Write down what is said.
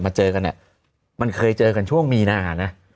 เจอกันเนี่ยมันเคยเจอกันช่วงมีนานะ